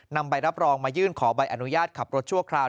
ใบรับรองมายื่นขอใบอนุญาตขับรถชั่วคราว